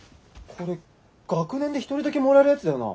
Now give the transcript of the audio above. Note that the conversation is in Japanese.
これ学年で１人だけもらえるやつだよな？